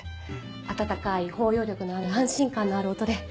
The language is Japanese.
温かい包容力のある安心感のある音で。